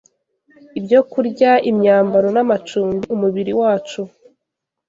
Ibyokurya, imyambaro n’amacumbi, umubiri wacu,